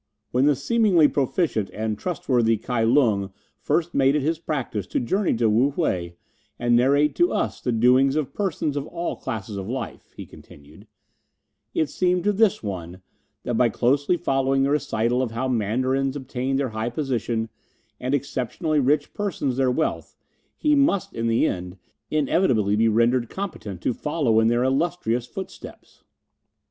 "When the seemingly proficient and trustworthy Kai Lung first made it his practice to journey to Wu whei, and narrate to us the doings of persons of all classes of life," he continued, "it seemed to this one that by closely following the recital of how Mandarins obtained their high position, and exceptionally rich persons their wealth, he must, in the end, inevitably be rendered competent to follow in their illustrious footsteps.